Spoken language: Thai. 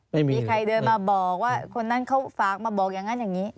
ไม่มีใครเดินมาบอกว่าคนนั้นเขาฝากมาบอกอย่างนั้นอย่างนี้